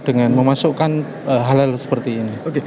dengan memasukkan hal hal seperti ini